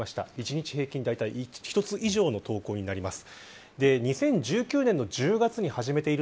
１日平均１つ以上の投稿になります。